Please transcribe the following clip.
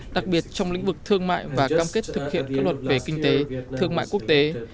đặc biệt trong lĩnh vực thương mại và cam kết thực hiện các luật về kinh tế thương mại quốc tế